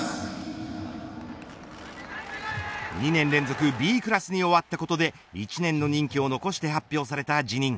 ２年連続Ｂクラスに終わったことで１年の任期を残して発表された辞任。